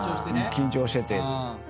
緊張してて。